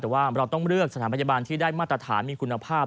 แต่ว่าเราต้องเลือกสถานพยาบาลที่ได้มาตรฐานมีคุณภาพ